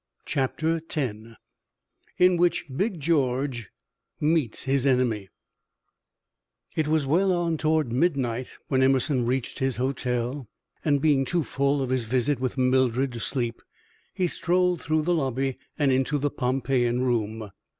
CHAPTER X IN WHICH BIG GEORGE MEETS HIS ENEMY It was well on toward midnight when Emerson reached his hotel, and being too full of his visit with Mildred to sleep, he strolled through the lobby and into the Pompeian Room.